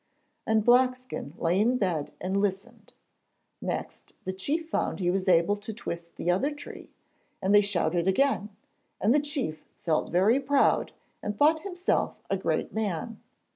And Blackskin lay in bed and listened. Next, the chief found he was able to twist the other tree, and they shouted again, and the chief felt very proud and thought himself a great man.